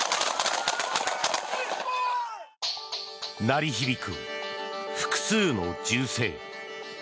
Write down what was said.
鳴り響く複数の銃声。